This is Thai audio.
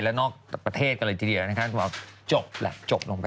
กลัวว่าผมจะต้องไปพูดให้ปากคำกับตำรวจยังไง